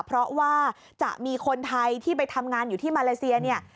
เพราะว่าจะมีคนไทยที่ไปทำงานอยู่ที่มาเลเซียเนี่ย